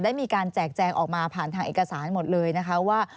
มีการแจกแจงออกมาผ่านทางเอกสารหมดเลยนะคะว่า